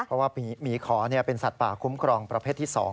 เพราะว่าหมีขอเป็นสัตว์ป่าคุ้มครองประเภทที่๒